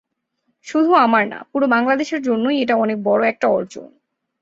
শুধু আমার না, পুরো বাংলাদেশের জন্যই এটা অনেক বড় একটা অর্জন।